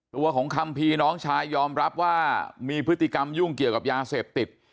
ตัวของคัมภีร์น้องชายยอมรับว่ามีพฤติกรรมยุ่งเกี่ยวกับยาเสพติด